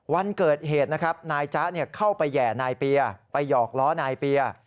วันเกิดเหตุนะครับนายจ๊ะเข้าไปแห่นายเปียไปหยอกล้อนายเปีย